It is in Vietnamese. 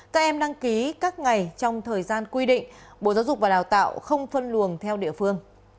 các em đăng ký các ngày trong thời gian quy định bộ giáo dục và đào tạo không phân luồng theo địa phương